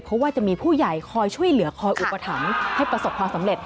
เพราะว่าจะมีผู้ใหญ่คอยช่วยเหลือคอยอุปถัมภ์ให้ประสบความสำเร็จ